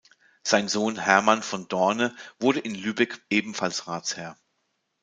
Sein Sohn Hermann von Dorne wurde in Lübeck ebenfalls Ratsherr.